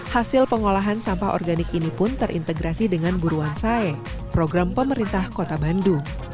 hasil pengolahan sampah organik ini pun terintegrasi dengan buruan sae program pemerintah kota bandung